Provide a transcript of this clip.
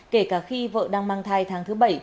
kể cả khi vợ đang mang thai tháng thứ bảy